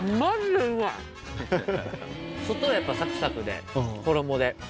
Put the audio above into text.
外はやっぱサクサクで衣で。